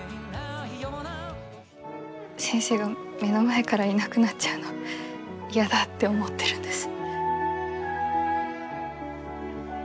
先生が目の前からいなくなっちゃうの嫌だって思っているんです。